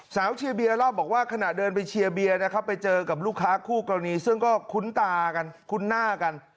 เชียร์เบียเล่าบอกว่าขณะเดินไปเชียร์เบียร์นะครับไปเจอกับลูกค้าคู่กรณีซึ่งก็คุ้นตากันคุ้นหน้ากัน